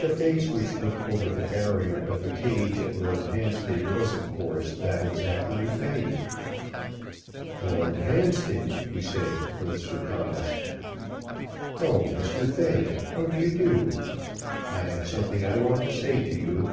The face which looked over the barrier of the cage at Lord Hampstead was of course that of Zachary Fay. "Lord Hampstead!" he said, with surprise. "Oh, Mr. Fay, how do you do? I have something I want to say to you.